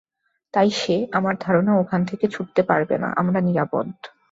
তাই সে, আমার ধারনা, ওখান থেকে ছুটতে পারবেনা, আমরা নিরাপদ!